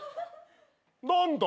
何だ？